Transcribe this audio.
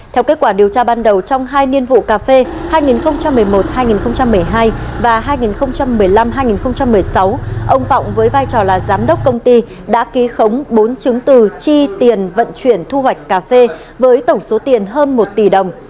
theo kết quả điều tra ban đầu trong hai niên vụ cà phê hai nghìn một mươi một hai nghìn một mươi hai và hai nghìn một mươi năm hai nghìn một mươi sáu ông vọng với vai trò là giám đốc công ty đã ký khống bốn chứng từ chi tiền vận chuyển thu hoạch cà phê với tổng số tiền hơn một tỷ đồng